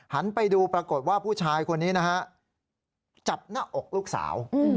หันไปดูปรากฏว่าผู้ชายคนนี้นะฮะจับหน้าอกลูกสาว